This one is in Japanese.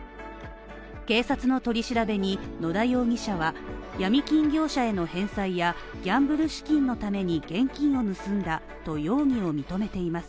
警察の取り調べに野田容疑者は闇金業者への返済やギャンブル資金のために現金を盗んだと容疑を認めています。